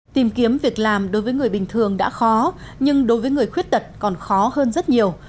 tìm kiếm việc làm đối với người bình thường đã khó nhưng đối với người khuyết tật còn khó hơn rất nhiều